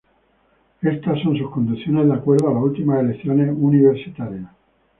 Estas son sus conducciones de acuerdo a las últimas elecciones universitarias.